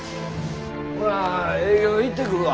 ほな営業行ってくるわ。